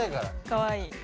かわいい。